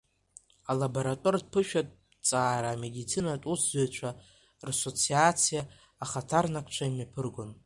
Алаборатортә-ԥышәатә ҭҵаара амедицинатә усзуҩцәа Рсоциациа ахаҭарнакцәа имҩаԥыргон.